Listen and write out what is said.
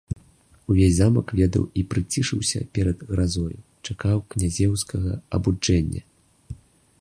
Увесь замак ведаў і прыцішыўся перад гразою, чакаў князеўскага абуджэння.